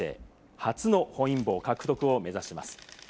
初の本因坊獲得を目指します。